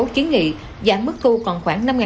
kiến nghị giảm mức thu còn khoảng